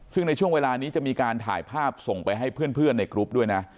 ซึ่งในช่วงเวลานี้จะมีการถ่ายภาพส่งไปให้เพื่อนในกรุ๊ปด้วยนะ